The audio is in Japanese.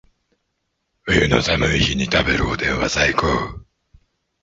冬の寒い日に食べるおでんは最高